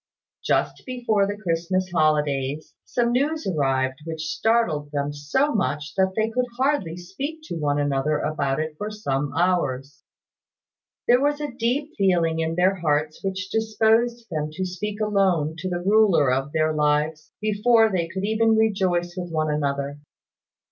Just before the Christmas holidays, some news arrived which startled them so much that they could hardly speak to one another about it for some hours. There was a deep feeling in their hearts which disposed them to speak alone to the Ruler of their lives, before they could even rejoice with one another.